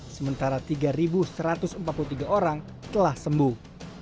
sementara tiga satu ratus empat puluh tiga orang telah sembuh